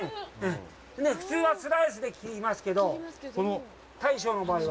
普通はスライスで切りますけど、大将の場合は。